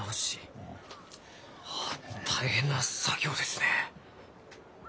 あ大変な作業ですね。